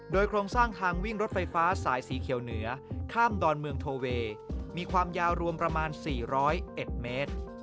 โดยโครงสร้างทางวิ่งรถไฟฟ้าสายสีเขียวเหนือข้ามดอนเมืองโทเวย์มีความยาวรวมประมาณ๔๐๑เมตร